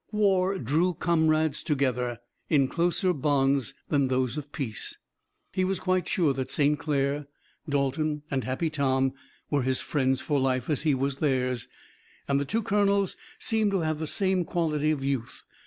War drew comrades together in closer bonds than those of peace. He was quite sure that St. Clair, Dalton and Happy Tom were his friends for life, as he was theirs, and the two colonels seemed to have the same quality of youth.